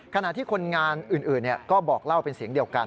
ขณะที่คนงานอื่นก็บอกเล่าเป็นเสียงเดียวกัน